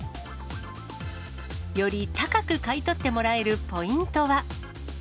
より高く買い取ってもらえるポイントは。